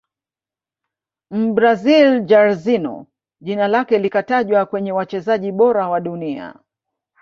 mbrazil Jairzinho jina lake likatajwa kwenye wachezaji bora wa dunia